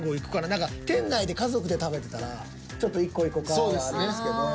何か店内で家族で食べてたらちょっと１個いこかはあるんですけど。